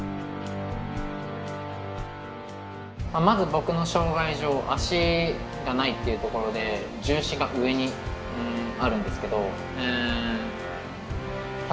まず僕の障害上脚がないっていうところで重心が上にあるんですけど。